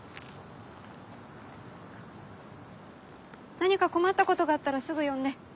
何か困ったことがあったらすぐ呼んで。